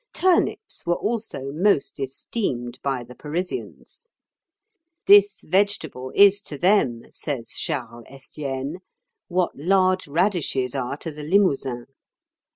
Turnips were also most esteemed by the Parisians. "This vegetable is to them," says Charles Estienne, "what large radishes are to the Limousins."